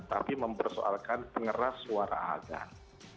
tapi mempersoalkan pengeras suara azan